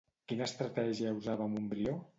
Quina estratègia usava Montbrió?